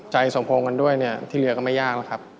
สมพงษ์กันด้วยเนี่ยที่เหลือก็ไม่ยากนะครับ